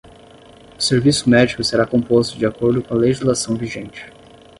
O serviço médico será composto de acordo com a legislação vigente.